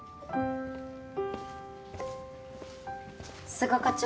須賀課長。